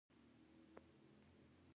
دا هغه کار دی چې د پانګوالو لپاره ترسره کېږي